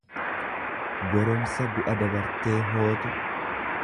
goromsa gu'a dabartee hootu.